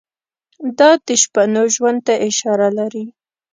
دا د شپنو ژوند ته اشاره لري.